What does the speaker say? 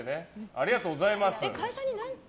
ありがとうございます。